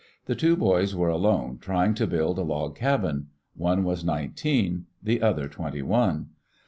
The two boys were alone, trying to build a log cabin. One was nineteen, the other twenty one.